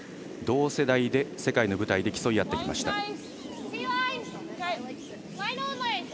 同世代で世界の舞台で競い合ってきました。